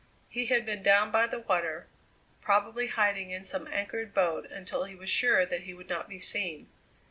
He had been down by the water, probably hiding in some anchored boat until he was sure that he would not be seen.